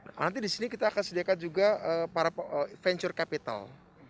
nah nanti di sini kita akan sediakan juga para venture capital